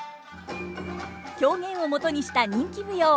狂言をもとにした人気舞踊。